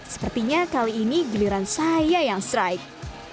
sepertinya kali ini giliran saya yang strike